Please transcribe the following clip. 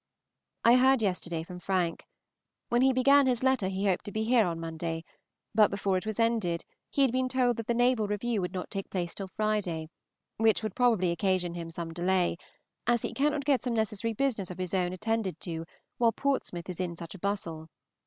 I heard yesterday from Frank. When he began his letter he hoped to be here on Monday, but before it was ended he had been told that the naval review would not take place till Friday, which would probably occasion him some delay, as he cannot get some necessary business of his own attended to while Portsmouth is in such a bustle.